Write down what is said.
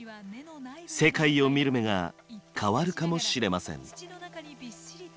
世界を見る目が変わるかもしれません。